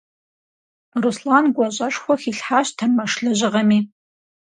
Руслан гуащӀэшхуэ хилъхьащ тэрмэш лэжьыгъэми.